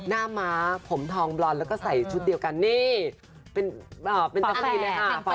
ม้าผมทองบลอนแล้วก็ใส่ชุดเดียวกันนี่เป็นจักรีนเลยค่ะ